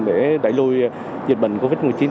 để đẩy lùi dịch bệnh covid một mươi chín